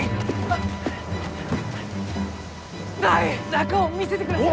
中を見せてください！